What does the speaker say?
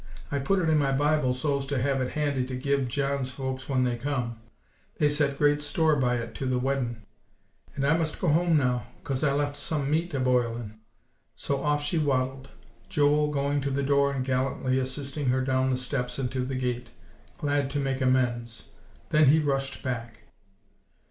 I put it in my Bible so's to have it handy to give John's folks when they come; they set great store by it to the weddin': and I must go home now, 'cause I left some meat a boilin'." So off she waddled, Joel going to the door and gallantly assisting her down the steps and to the gate, glad to make amends. Then he rushed back.